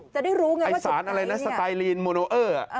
จะได้รู้ว่าสุดไงไอ้สารอะไรแน่สไตลีนโมโนเออ่อ